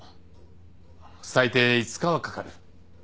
最低５日はかかる。